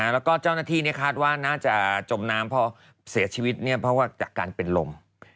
แล้วก็เจ้าหน้าที่คาดว่าน่าจะจมน้ำพอเสียชีวิตเพราะว่าจากการเป็นลม